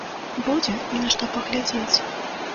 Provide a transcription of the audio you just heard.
Будзе, на што паглядзець!